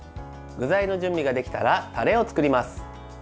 具材の準備ができたらタレを作ります。